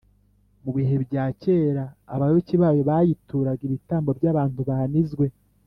mu bihe bya kera abayoboke bayo bayituraga ibitambo by’abantu banizwe